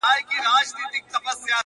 • سوچه کاپیر وم چي راتلم تر میخانې پوري،